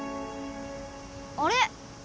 あれ？